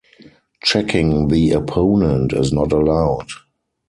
Checking the opponent is not allowed.